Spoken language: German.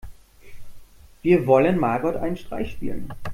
Wir wollen Margot einen Streich spielen.